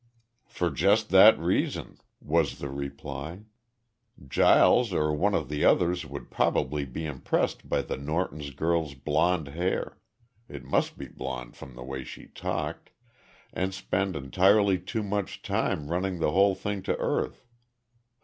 "For just that reason," was the reply. "Giles or one of the others would probably be impressed by the Norton's girl's blond hair it must be blond from the way she talked and spend entirely too much time running the whole thing to earth.